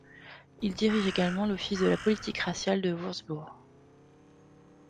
Il dirige également l'office de la politique raciale de Wurtzbourg.